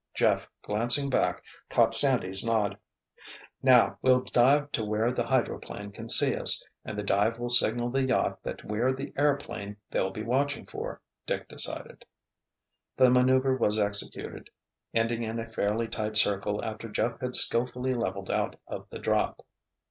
Jeff, glancing back, caught Sandy's nod. "Now we'll dive to where the hydroplane can see us, and the dive will signal the yacht that we're the airplane they'll be watching for," Dick decided. The maneuver was executed, ending in a fairly tight circle after Jeff had skilfully leveled out of the drop.